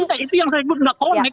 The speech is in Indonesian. nanti itu yang saya butuh